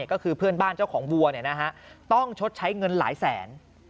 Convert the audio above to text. ก็คือเพื่อนบ้านเจ้าของวัวต้องชดใช้เงินหลายแสน